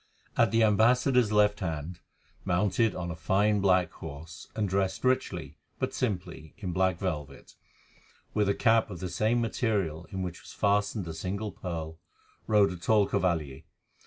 At the ambassador's left hand, mounted on a fine black horse, and dressed richly, but simply, in black velvet, with a cap of the same material in which was fastened a single pearl, rode a tall cavalier.